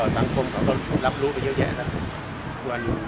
สังคมกระทบรับรู้เยอะแยะแล้ว